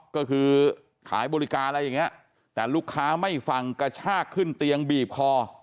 ก็คือขายบริการอะไรอย่างนี้แต่ลูกค้าไม่ฟังกระชากขึ้นเตียงบีบคอ